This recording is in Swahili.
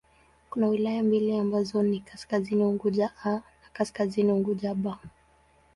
Kuna wilaya mbili ambazo ni Kaskazini Unguja 'A' na Kaskazini Unguja 'B'.